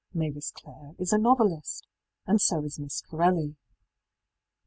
ëMavis Clareí is a novelist, and so is Miss Corelli.